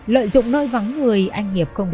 lợi dụng nơi vắng người anh hiệp không để